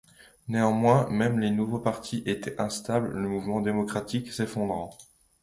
Néanmoins, même les nouveaux partis étaient instables, le Mouvement démocratique s'effondrant.